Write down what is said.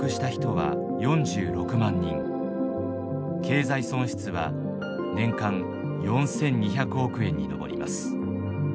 経済損失は年間４，２００億円に上ります。